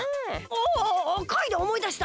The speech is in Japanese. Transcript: あかいでおもいだした！